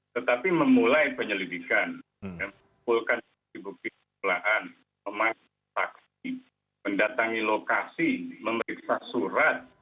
tetapi memulai penyelidikan dan mengumpulkan bukti bukti kemuliaan memanfaatkan saksi mendatangi lokasi memeriksa surat